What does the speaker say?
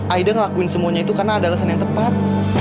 aida ngelakuin semuanya itu karena ada alasan yang tepat